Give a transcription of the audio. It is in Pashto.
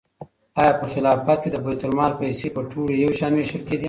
آیا په خلافت کې د بیت المال پیسې په ټولو یو شان وېشل کېدې؟